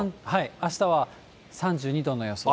あしたは３２度の予想です。